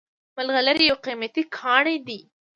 ملغلرې یو قیمتي کاڼی دی